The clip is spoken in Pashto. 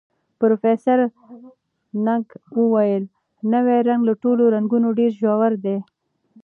پروفیسر نګ وویل، نوی رنګ له ټولو رنګونو ډېر ژور دی.